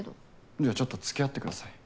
じゃあちょっとつきあってください。